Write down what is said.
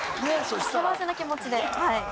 幸せな気持ちではい。